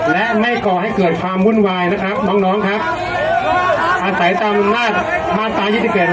และไม่ก่อให้เกิดความวุ่นวายนะครับน้องน้องครับอาศัยตามมาตรายี่สิบเอ็ด